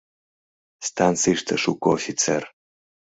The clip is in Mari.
Станцийыште шуко офицер.